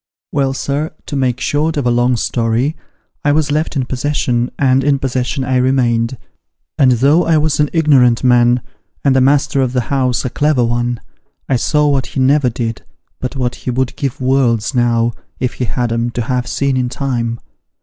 25 " Well, sir, to make short of a long story, I was left in possession, and in possession I remained ; and though I was an ignorant man, and tlio master of the house a clever one, I saw what ho never did, but what ho would give worlds now (if ho had 'em) to have seen in time.